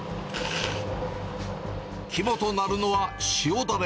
肝となるのは塩だれ。